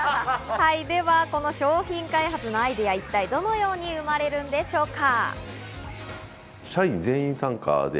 では、この商品開発のアイデア、一体どのように生まれるんでしょうか。